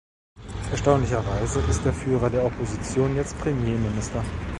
Erstaunlicherweise ist der Führer der Opposition jetzt Premierminister.